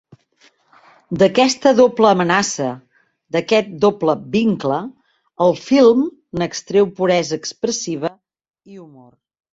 D'aquesta doble amenaça, d'aquest doble vincle, el film n'extreu puresa expressiva i humor.